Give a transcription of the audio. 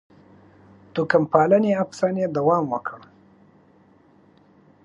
توکم پالنې افسانې دوام وکړ.